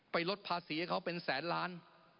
ลดภาษีให้เขาเป็นแสนล้าน